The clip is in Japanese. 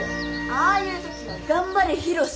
ああいうときは「頑張れ浩志」やろ。